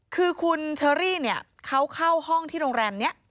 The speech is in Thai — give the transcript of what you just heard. คือคุณเชอรี่เนี่ยเขาเข้าห้องที่โรงแรมนี้